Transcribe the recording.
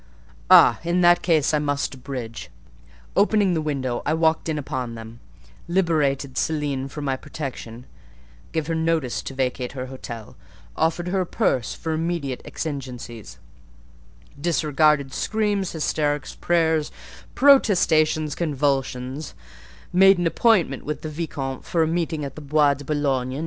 "Ah! in that case I must abridge. Opening the window, I walked in upon them; liberated Céline from my protection; gave her notice to vacate her hotel; offered her a purse for immediate exigencies; disregarded screams, hysterics, prayers, protestations, convulsions; made an appointment with the vicomte for a meeting at the Bois de Boulogne.